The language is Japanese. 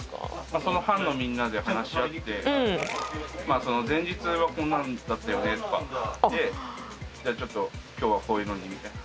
その班のみんなで話し合って前日はこんなんだったよねとかでじゃあ今日はこういうのにみたいな。